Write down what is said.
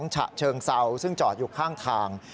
ฉะเชิงเซาซึ่งจอดอยู่ข้างทาง